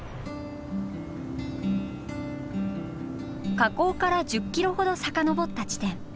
河口から１０キロほど遡った地点。